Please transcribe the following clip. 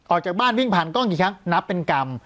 ออกจากบ้านวิ่งผ่านกล้องกี่ครั้งนับเป็นกรรม